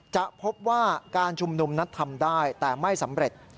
จะพบว่าการชุมนุมนั้นทำได้แต่ไม่สำเร็จ